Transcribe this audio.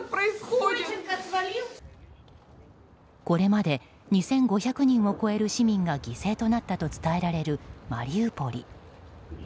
これまで２５００人を超える市民が犠牲となったと伝えられるマリウポリ。